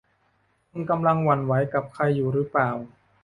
คุณกำลังหวั่นไหวกับใครอยู่หรือเปล่า